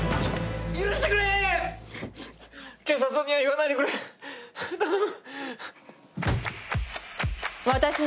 許してくれ警察には言わないでくれ頼む